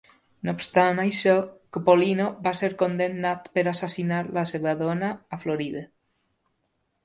No obstant això, Coppolino va ser condemnat per assassinar la seva dona a Florida.